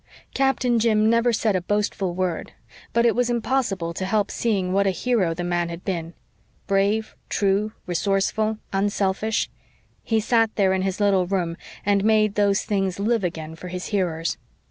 Captain Jim never said a boastful word, but it was impossible to help seeing what a hero the man had been brave, true, resourceful, unselfish. He sat there in his little room and made those things live again for his hearers.